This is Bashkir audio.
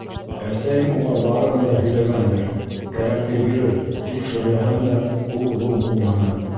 Әсәйем уға барыһын да һөйләгәндер, кәрәкте бирер, тип шөрләһәм дә, ул-был булманы.